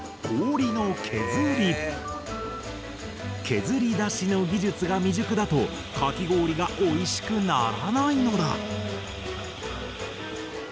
削り出しの技術が未熟だとかき氷がおいしくならないのだ。